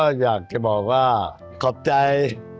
ก็อยากจะบอกว่าขอบใจ